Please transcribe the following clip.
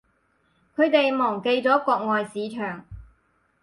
佢哋忘記咗國外市場